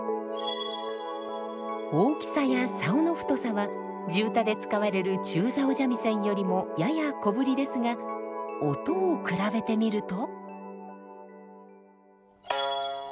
大きさや棹の太さは地唄で使われる中棹三味線よりもやや小ぶりですが音を比べてみると。